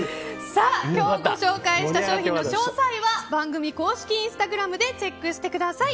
今日ご紹介した商品の詳細は番組公式インスタグラムでチェックしてください。